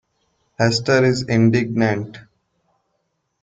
Hester is indignant.